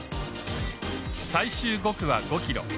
最終５区は５ｋｍ。